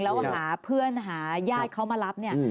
แล้วหาเพื่อนหาญาติเขามารับเนี่ย